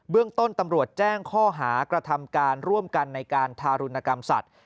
เรื่องต้นตำรวจแจ้งข้อหากระทำการร่วมกันในการทารุณกรรมสัตว